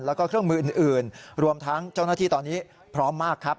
แล้วก็เครื่องมืออื่นรวมทั้งเจ้าหน้าที่ตอนนี้พร้อมมากครับ